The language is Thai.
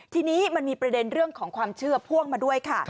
ทีนี้มันมีประเด็นเรื่องของความเชื่อพ่วงมาด้วยค่ะ